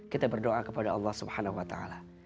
kita berdoa kepada allah subhanahu wa ta'ala